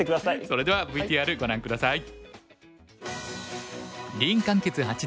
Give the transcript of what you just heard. それではＶＴＲご覧下さい。